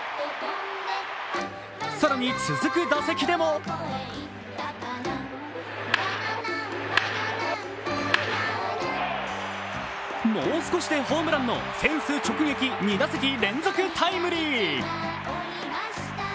更に続く打席でももう少しでホームランのフェンス直撃２打席連続タイムリー。